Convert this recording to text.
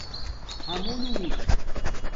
خَمُلوٹ